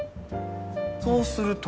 そうすると。